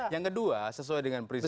yang kedua sesuai dengan prinsip